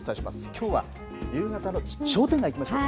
きょうは夕方の商店街行きましょう。